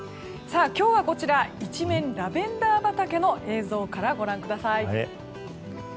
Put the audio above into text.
今日は一面ラベンダー畑の映像からご覧ください。